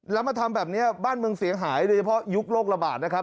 แล้วมาทำแบบนี้บ้านเมืองเสียหายโดยเฉพาะยุคโรคระบาดนะครับ